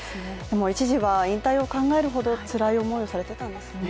一時は引退を考えるほどつらい思いをされていたんですね。